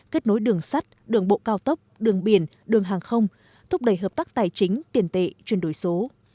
kết nối đường sắt đường bộ cao tốc đường biển đường hàng không thúc đẩy hợp tác tài chính tiền tệ chuyên đổi số